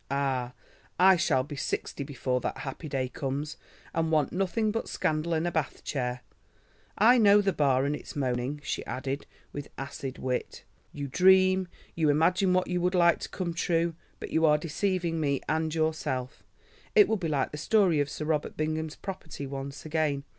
"Ah, I shall be sixty before that happy day comes, and want nothing but scandal and a bath chair. I know the Bar and its moaning," she added, with acid wit. "You dream, you imagine what you would like to come true, but you are deceiving me and yourself. It will be like the story of Sir Robert Bingham's property once again.